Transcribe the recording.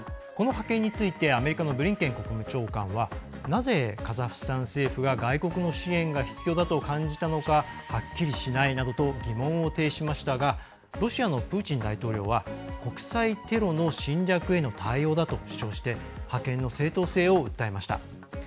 この派遣についてアメリカのブリンケン国務長官はなぜ、カザフスタン政府が外国の支援が必要だと感じたのかはっきりしないなどと疑問を呈しましたがロシアのプーチン大統領は国際テロの侵略への対応だと主張して派遣の正当性を訴えました。